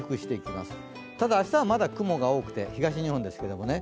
ただ明日はまだ雲が多くて、東日本ですけどね。